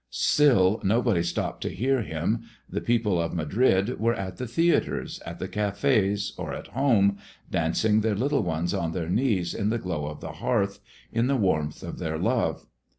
Still nobody stopped to hear him. The people of Madrid were at the theatres, at the cafés, or at home, dancing their little ones on their knees in the glow of the hearth, in the warmth of their love.